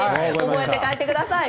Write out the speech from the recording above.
覚えて帰ってください。